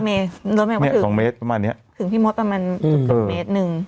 รถเมล์ว่าถึงเนี้ยสองเมตรประมาณเนี้ยถึงที่มดประมาณอืมสองเมตรนึง